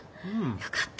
よかった。